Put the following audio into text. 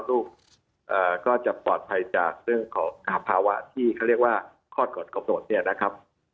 ลูกก็จะปลอดภัยจากเรื่องของภาวะที่เขาเรียกว่าคลอดกฎกำหนดเนี่ยนะครับ